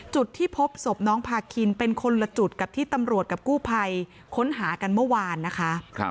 จุดที่พบศพน้องพาคินเป็นคนละจุดกับที่ตำรวจกับกู้ภัยค้นหากันเมื่อวานนะคะ